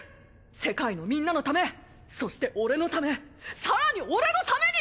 世界のみんなのためそして俺のため更に俺のために！